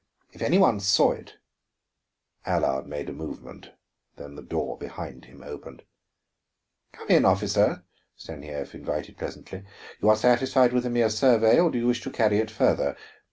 If any one saw it " Allard made a movement, then the door behind him opened. "Come in, officer," Stanief invited pleasantly. "You are satisfied with a mere survey, or do you wish to carry it farther?